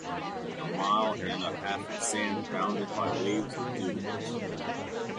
A mile and a half of sand bounded by waves of dunes.